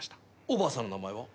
おばあさんの名前は？